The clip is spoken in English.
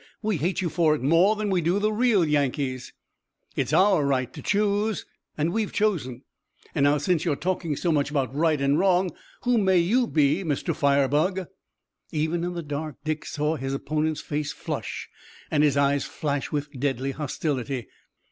We hate you for it more than we do the real Yankees!" "It's our right to choose, and we've chosen. And now, since you're talking so much about right and wrong, who may you be, Mr. Firebug?" Even in the dark Dick saw his opponent's face flush, and his eyes flash with deadly hostility.